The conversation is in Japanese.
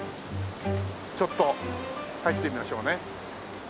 ちょっと入ってみましょうね。